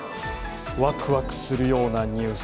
ワクワクするようなニュース。